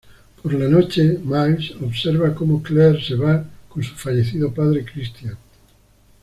Por la noche, Miles observa como Claire se va con su fallecido padre Christian.